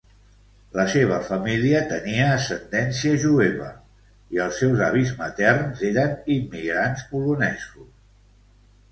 La seva família tenia ascendència jueva, i els seus avis materns eren immigrants polonesos.